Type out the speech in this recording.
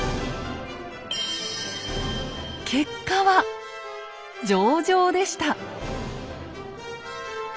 結果は上々でした。